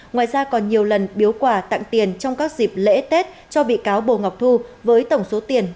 ngoài ra còn nhiều lần biếu quả tặng tiền trong các dịp lễ tết cho bị cáo bồ ngọc thu với tổng số tiền một tỷ đồng